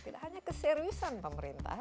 tidak hanya keseriusan pemerintah